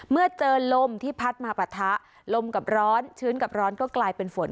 เมื่อเจอลมที่พัดมาปะทะลมกับร้อนชื้นกับร้อนก็กลายเป็นฝน